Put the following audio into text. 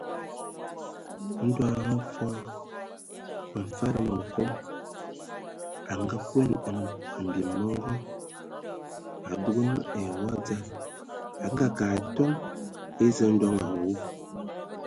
Ndɔ hm fɔɔ Mfad mevom a nganguan mbim mɔngɔ, a dugan ai wɔ a dzal, a ngeakə a atoŋ eza ndoŋ awu.